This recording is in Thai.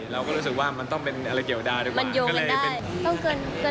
เราก็รู้สึกว่ามันต้องเป็นอะไรเกี่ยวดาเรียกว่ามันโยงกันได้